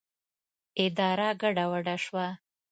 اداره ګډه وډه شوه.